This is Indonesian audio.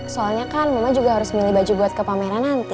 soalnya kan mama juga harus milih baju buat ke pameran nanti